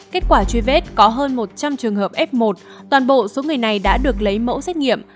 kết quả truy vết có hơn một trăm linh trường hợp f một toàn bộ số người này đã được lấy mẫu xét nghiệm